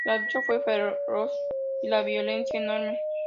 La lucha fue feroz y la violencia, enorme.